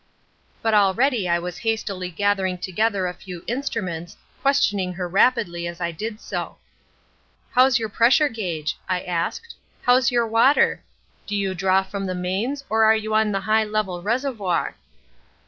"But already I was hastily gathering together a few instruments, questioning her rapidly as I did so. "'How's your pressure gauge?' I asked. 'How's your water? Do you draw from the mains or are you on the high level reservoir?'